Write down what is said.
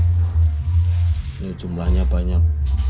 ini jumlahnya banyak